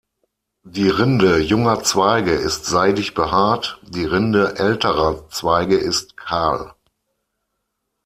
Die Rinde junger Zweige ist seidig behaart; die Rinde älterer Zweige ist kahl.